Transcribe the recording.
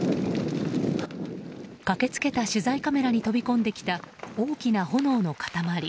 駆けつけた取材カメラに飛び込んできた大きな炎の塊。